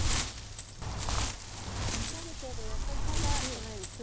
である程度焼けたらこのようにクルリと。